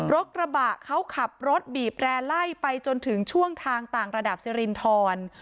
รถกระบะเขาขับรถบีบแร่ไล่ไปจนถึงช่วงทางต่างระดับสิรินทร